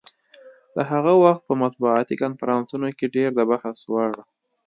د هغه وخت په مطبوعاتي کنفرانسونو کې ډېر د بحث وړ.